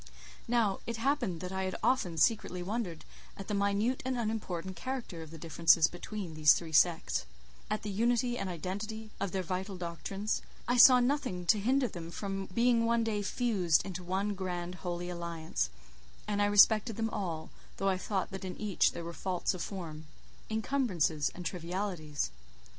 Now, it happened that I had often secretly wondered at the minute and unimportant character of the differences between these three sects—at the unity and identity of their vital doctrines: I saw nothing to hinder them from being one day fused into one grand Holy Alliance, and I respected them all, though I thought that in each there were faults of form, incumbrances, and trivialities.